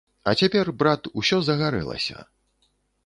А цяпер, брат, усё загарэлася.